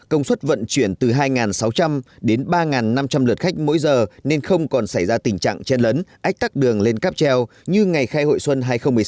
công suất vận chuyển từ hai sáu trăm linh đến ba năm trăm linh lượt khách mỗi giờ nên không còn xảy ra tình trạng chen lấn ách tắc đường lên cáp treo như ngày khai hội xuân hai nghìn một mươi sáu